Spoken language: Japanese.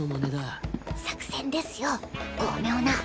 小声作戦ですよ巧妙な。